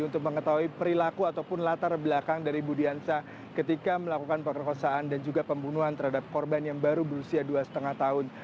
untuk mengetahui perilaku ataupun latar belakang dari budiansa ketika melakukan perkosaan dan juga pembunuhan terhadap korban yang baru berusia dua lima tahun